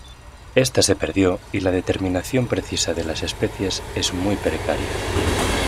Esta se perdió y la determinación precisa de las especies es muy precaria.